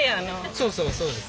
そうそうそうです。